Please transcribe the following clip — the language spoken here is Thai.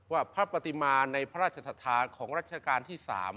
ว่าพระปฏิมาในพระราชศรัทธาของรัชกาลที่๓